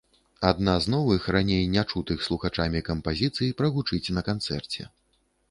Адна з новых, раней не чутых слухачамі кампазіцый, прагучыць на канцэрце.